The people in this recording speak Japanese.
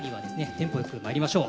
テンポよくまいりましょう。